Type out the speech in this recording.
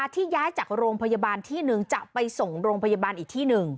ที่ย้ายจากโรงพยาบาลที่๑จะไปส่งโรงพยาบาลอีกที่๑